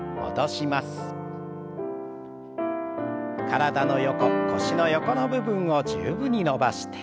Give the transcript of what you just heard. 体の横腰の横の部分を十分に伸ばして。